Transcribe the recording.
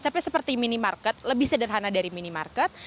seperti minimarket lebih sederhana dari minimarket